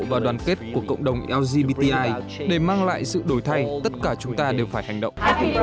và đoàn kết của cộng đồng lgbti để mang lại sự đổi thay tất cả chúng ta đều phải hành động